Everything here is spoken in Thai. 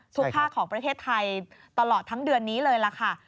ภาคของประเทศไทยตลอดทั้งเดือนนี้เลยล่ะค่ะ